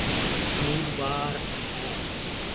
امیدوار ہے۔